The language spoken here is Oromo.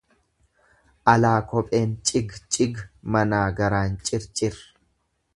Alaa kopheen cig cig, manaa garaan cir, cir.